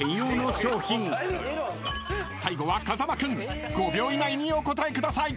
［最後は風間君５秒以内にお答えください］